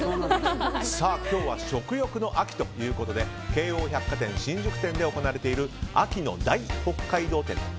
今日は食欲の秋ということで京王百貨店新宿店で行われている秋の大北海道展。